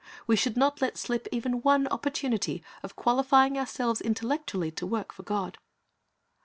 We should not let slip even one opportunity of qualifying ourselves intellectually to work for God.